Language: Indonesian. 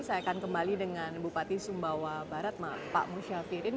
saya akan kembali dengan bupati sumbawa barat pak musyafirin